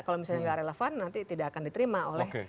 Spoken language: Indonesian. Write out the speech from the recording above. kalau misalnya nggak relevan nanti tidak akan diterima oleh